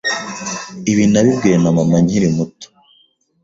Ibi nabibwiwe na mama nkiri muto